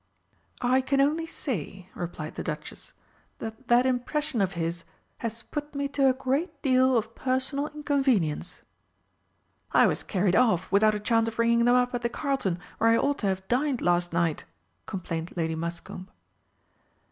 "I can only say," replied the Duchess, "that that impression of his has put me to a great deal of personal inconvenience." "I was carried off without a chance of ringing them up at the Carlton, where I ought to have dined last night!" complained Lady Muscombe.